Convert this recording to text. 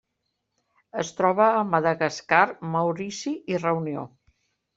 Es troba a Madagascar, Maurici i Reunió.